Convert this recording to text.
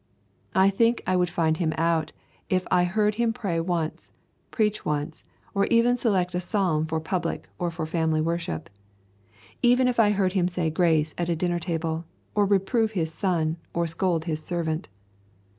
I think I would find him out if I heard him pray once, or preach once, or even select a psalm for public or for family worship; even if I heard him say grace at a dinner table, or reprove his son, or scold his servant.